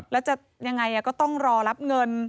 แล้วจะยังไงก็ต้องรอรับเงิน